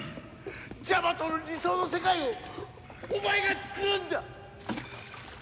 ジャマトの理想の世界をお前がつくるんだ！